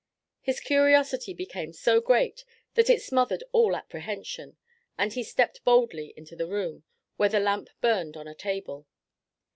His curiosity became so great that it smothered all apprehension, and he stepped boldly into the room, where the lamp burned on a table.